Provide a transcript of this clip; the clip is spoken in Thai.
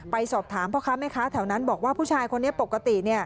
ไปสอบถามเพราะคะแหมคะแถวนั้นบอกว่าชายคนนี้ปกติ